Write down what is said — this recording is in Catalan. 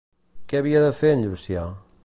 Què havia de fer en Llucià?